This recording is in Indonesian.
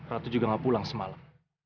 ratu juga gak pulang semalam